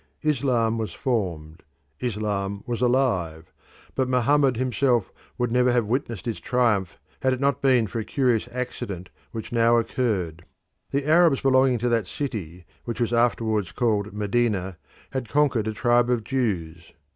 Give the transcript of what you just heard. Islam was formed; Islam was alive; but Mohammed himself would never have witnessed its triumph had it not been for a curious accident which now occurred. The Arabs belonging to that city which was afterwards called Medina had conquered a tribe of Jews.